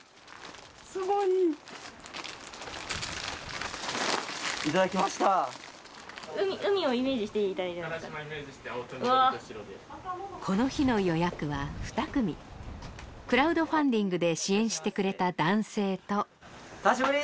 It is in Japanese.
すごいいただきました海をイメージしていただいたんですか・加唐島イメージして青と緑と白でわあこの日の予約は２組クラウドファンディングで支援してくれた男性と久しぶり！